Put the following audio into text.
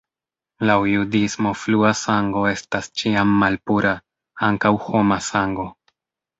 Laŭ judismo flua sango estas ĉiam malpura, ankaŭ homa sango.